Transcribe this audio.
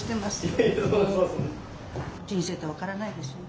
人生って分からないですよね。